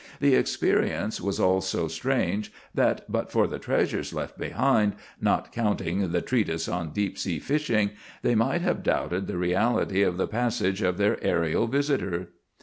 The experience was all so strange that but for the treasures left behind, not counting the "Treatise on Deep Sea Fishing," they might have doubted the reality of the passage of their aërial visitor.